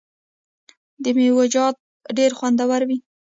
د میوو چاټ ډیر خوندور وي.